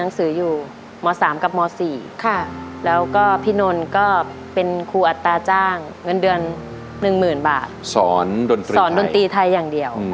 ตอนนี้มันไม่มีใครจ้างแล้ว